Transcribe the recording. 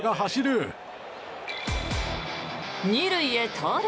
２塁へ盗塁。